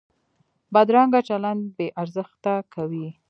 بدرنګه چلند بې ارزښته کوي